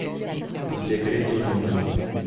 Il decreto Nr.